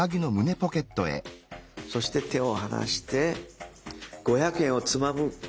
そして手を離して五百円をつまむ。